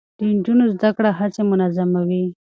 د نجونو زده کړه هڅې منظموي.